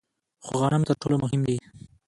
خو غنم تر ټولو مهم دي.